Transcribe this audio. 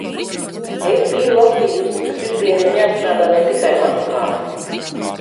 Es biju lasījusi, ka frizieriem jāstrādā ne tikai maskās.